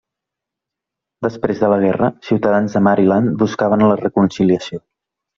Després de la guerra, ciutadans de Maryland buscaven la reconciliació.